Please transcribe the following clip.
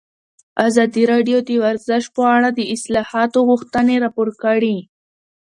ازادي راډیو د ورزش په اړه د اصلاحاتو غوښتنې راپور کړې.